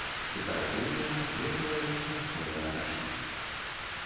Дэкаратыўная, лекавая і харчовая расліна.